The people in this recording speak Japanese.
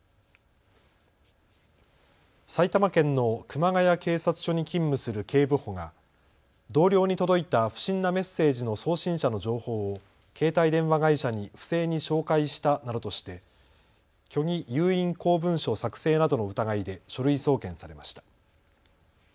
埼玉県の熊谷警察署に勤務する警部補が同僚に届いた不審なメッセージの送信者の情報を携帯電話会社に不正に照会したなどとして虚偽有印公文書作成などの疑いで書類送検されました。